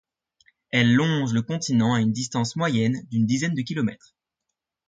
Elle longe le continent à une distance moyenne d'une dizaine de kilomètres.